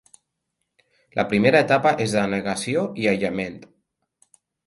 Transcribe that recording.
La primera etapa és de negació i aïllament.